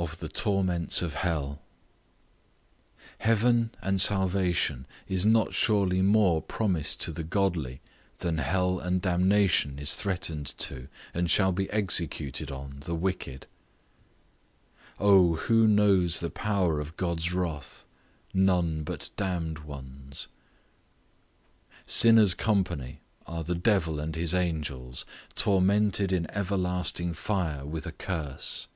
OF THE TORMENTS OF HELL. Heaven and salvation is not surely more promised to the godly, than hell and damnation is threatened to, and shall be executed on, the wicked. Oh! who knows the power of God's wrath? None but damned ones. Sinners' company are the devil and his angels, tormented in everlasting fire with a curse.